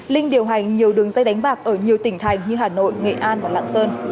linh điều hành nhiều đường dây đánh bạc ở nhiều tỉnh thành như hà nội nghệ an và lạng sơn